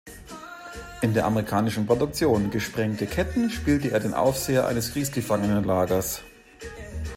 In der amerikanischen Produktion "Gesprengte Ketten" spielte er den Aufseher eines Kriegsgefangenenlagers.